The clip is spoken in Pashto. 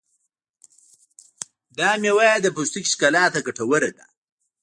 دا مېوه د پوستکي ښکلا ته ګټوره ده.